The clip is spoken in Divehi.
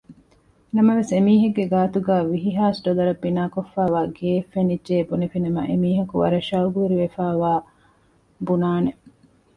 ނަމަވެސް އެމީހެއްގެ ގާތުގައި ވިހިހާސް ޑޮލަރަށް ބިނާކޮށްފައިވާ ގެއެއް ފެނިއްޖެއޭ ބުނެފިނަމަ އެމީހަކު ވަރަށް ޝައުގުވެރިވެފައިވާ ބުނާނެ